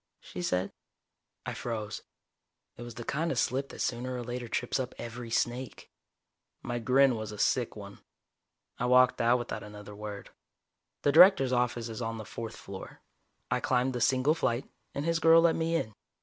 she said. I froze. It was the kind of slip that sooner or later trips up every snake. My grin was a sick one. I walked out without another word. The Director's office is on the fourth floor, I climbed the single flight, and his girl let me in.